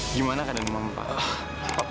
gimana keadaan mama pa